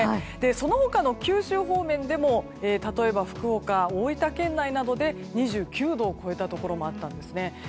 その他の九州方面でも例えば、福岡、大分県内などで２９度を超えたところもあったんですね。